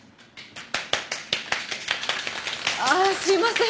あっすいません。